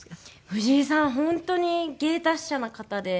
藤井さんは本当に芸達者な方で。